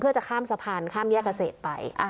เพื่อจะข้ามสะพานข้ามแยกเกษตรไป